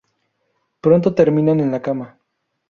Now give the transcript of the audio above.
Pronto terminan en la cama.